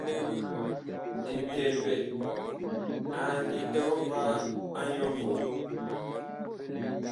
Ntɛpɛ a ngi tɔɔ va a nyɔ vom.